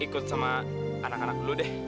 ikut sama anak anak dulu deh